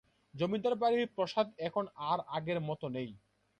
জমিদার বাড়ির প্রাসাদ এখন আর আগের মত নেই।